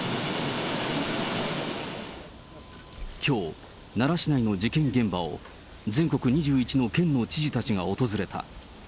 きょう、奈良市内の事件現場を、全国２１の県の知事たちが訪れた。